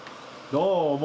どうも！